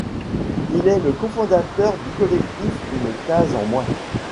Il est le cofondateur du collectif Une case en moins.